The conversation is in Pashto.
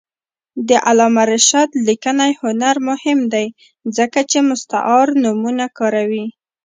د علامه رشاد لیکنی هنر مهم دی ځکه چې مستعار نومونه کاروي.